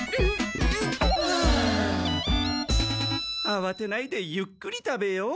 あわてないでゆっくり食べよう。